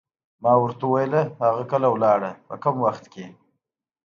ما ورته وویل: هغه کله ولاړه، په کوم وخت؟